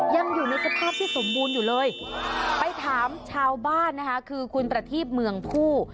ยังอยู่ในสภาพที่สมบูรณ์อยู่เลยไปถามชาวบ้านนะคะคือคุณประทีบเมืองผู้